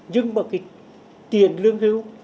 nhưng mà cái tiền lương hữu